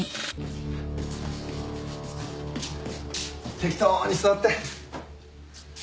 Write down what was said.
適当に座って。